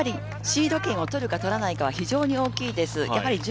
シード権を取るか取らないかは非常に大きいです。